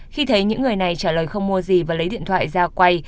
khi thấy những người này trả lời không mua gì và lấy điện thoại ra quay